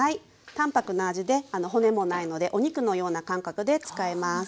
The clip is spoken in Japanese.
淡泊な味で骨もないのでお肉のような感覚で使えます。